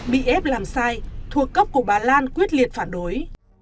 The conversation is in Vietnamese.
bị ép làm sai thua cốc của bà lan quyết liệt phản đối